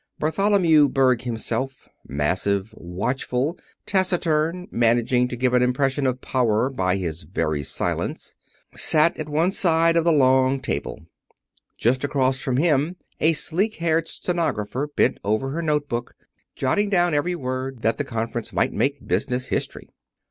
Bartholomew Berg himself, massive, watchful, taciturn, managing to give an impression of power by his very silence, sat at one side of the long table. Just across from him a sleek haired stenographer bent over her note book, jotting down every word, that the conference might make business history.